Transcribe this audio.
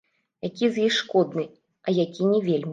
Які з іх шкодны, а які не вельмі?